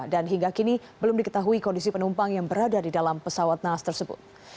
hingga kini belum diketahui kondisi penumpang yang berada di dalam pesawat naas tersebut